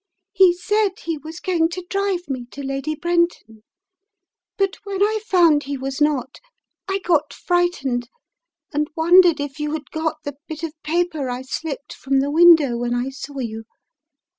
He said he was going to drive me to Lady Brenton, but when I found he was not, I got frightened and wondered if you had got the bit of paper I slipped from the window when I saw you.